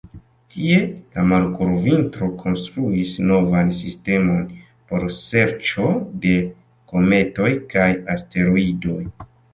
Tie, la malkovrinto konstruis novan sistemon por serĉo de kometoj kaj asteroidoj.